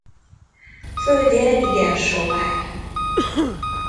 Földje igen sovány.